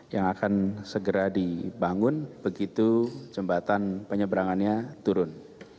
yang akan segera dibangun begitu jembatan penyeberangannya turun